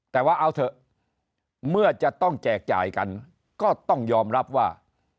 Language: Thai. แต่ว่าเอาเถอะเมื่อจะต้องแจกจ่ายกันก็ต้องยอมรับว่า